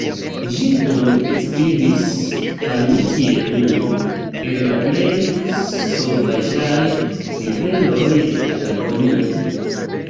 Ĝin oni priskribis al mi kiel unu el la plej sovaĝaj riveroj de Patagonio.